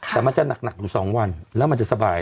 แต่มันจะหนักอยู่๒วันแล้วมันจะสบาย